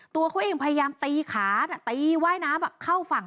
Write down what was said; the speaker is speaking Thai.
ตัวเขาเองพยายามตีขาตีว่ายน้ำเข้าฝั่ง